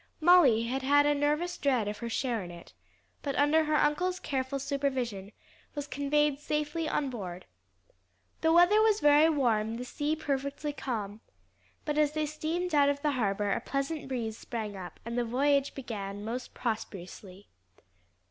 Molly had had a nervous dread of her share in it, but under her uncle's careful supervision, was conveyed safely on board. The weather was very warm, the sea perfectly calm, but as they steamed out of the harbor a pleasant breeze sprang up, and the voyage began most prosperously.